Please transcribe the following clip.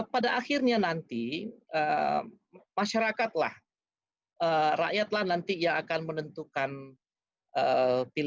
pada akhirnya nanti masyarakatlah rakyatlah nanti yang akan berpikir ya ini adalah kondisi yang tidak normal